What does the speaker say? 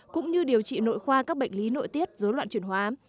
cũng như điều trị nội khoa các bệnh lý nội tiết dối loạn chuyển hóa